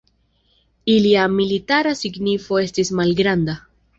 Ilia militara signifo estis malgranda.